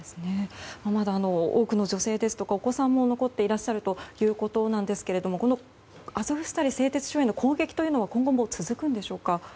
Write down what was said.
まだ多くの女性ですとかお子さんも残っていらっしゃるということなんですけれどもアゾフスタリ製鉄所への攻撃というのは今後も続くんでしょうか？